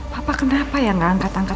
papa kenapa ya nggak angkat angkat